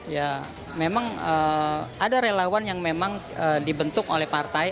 ya memang ada relawan yang memang dibentuk oleh partai